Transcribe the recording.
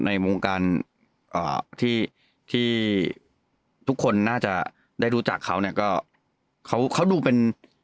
ในวงการที่ทุกคนน่าจะได้รู้จักเขาเนี่ยก็